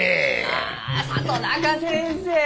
あ里中先生！